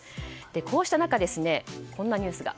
こうした中、こんなニュースが。